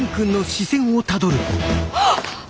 あっ！